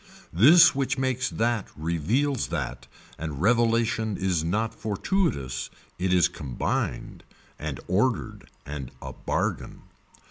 This which makes that reveals that and revelation is not fortuitous it is combined and ordered and a bargain.